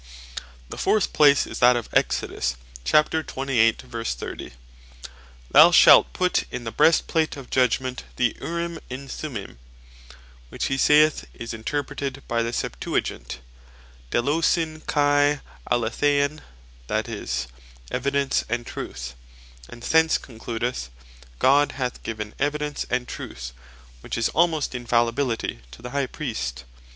The fourth place is that of Exod. 28.30. "Thou shalt put in the Breastplate of Judgment, the Urim and the Thummin:" which hee saith is interpreted by the Septuagint, delosin kai aletheian, that is, Evidence and Truth: And thence concludeth, God had given Evidence, and Truth, (which is almost infallibility,) to the High Priest.